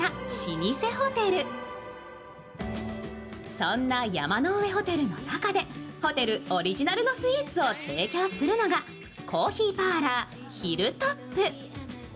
そんな山の上ホテルの中でホテルオリジナルのスイーツを提供するのがコーヒーパーラーヒルトップ。